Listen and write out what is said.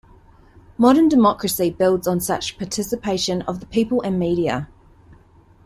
Modern democracy builds on such participation of the people and media.